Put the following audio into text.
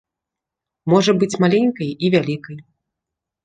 Можа быць маленькай і вялікай.